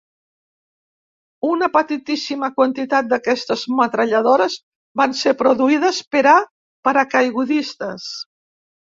Una petitíssima quantitat d'aquestes metralladores van ser produïdes per a paracaigudistes.